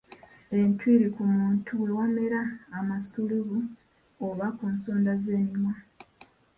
Entwiri ku muntu we wamera amasulubu oba ku nsonda z’emimwa.